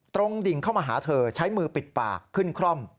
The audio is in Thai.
ดิ่งเข้ามาหาเธอใช้มือปิดปากขึ้นคร่อม